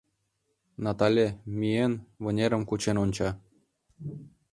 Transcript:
Натале, миен, вынерым кучен онча.